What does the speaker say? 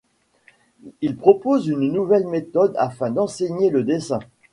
Il propose une nouvelle méthode afin d'enseigner le dessin.